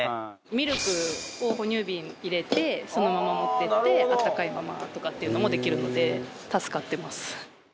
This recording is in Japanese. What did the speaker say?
ミルクを哺乳瓶に入れてそのまま持っていって温かいままとかっていうのもできるので助かってます。